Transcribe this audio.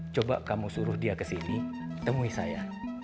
coba kamu suruh dia kesini temui saya